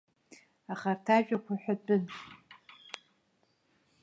Аха арҭ ажәақәа ҳәатәын.